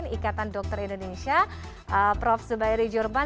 ikatan dokter indonesia prof zubairi jurban